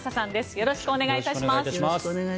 よろしくお願いします。